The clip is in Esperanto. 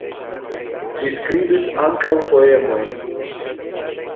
Li skribis ankaŭ poemojn.